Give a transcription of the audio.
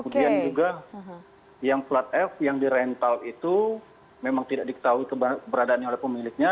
kemudian juga yang plat f yang di rental itu memang tidak diketahui keberadaannya oleh pemiliknya